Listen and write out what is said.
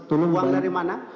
uang dari mana